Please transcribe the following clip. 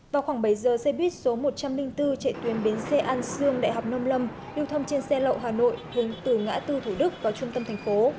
vào khoảng bảy giờ xe buýt số một trăm linh bốn chạy tuyến bến xe an sương đại học nông lâm lưu thông trên xe lộ hà nội hướng từ ngã tư thủ đức vào trung tâm thành phố